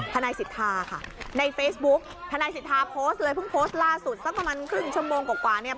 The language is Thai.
ทนายสิทธาค่ะในเฟซบุ๊กทนายสิทธาโพสต์เลยเพิ่งโพสต์ล่าสุดสักประมาณครึ่งชั่วโมงกว่าเนี่ย